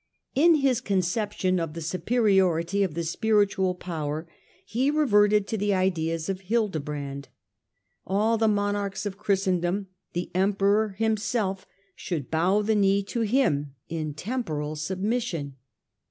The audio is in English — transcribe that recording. In his conception of the superiority of the spiritual power, he reverted to the ideas of Hildebrand. All the monarchs of Christendom, the Emperor himself, should bow the knee to him in temporal submission.